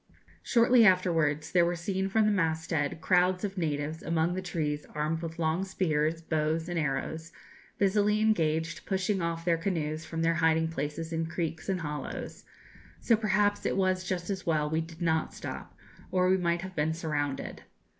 Shortly afterwards there were seen from the masthead crowds of natives among the trees armed with long spears, bows, and arrows, busily engaged pushing off their canoes from their hiding places in creeks and hollows; so perhaps it was just as well we did not stop, or we might have been surrounded.